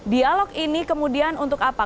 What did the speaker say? dialog ini kemudian untuk apa